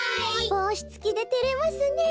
ぼうしつきでてれますねえ。